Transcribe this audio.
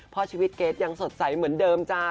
เพราะชีวิตเกรทยังสดใสเหมือนเดิมจ้า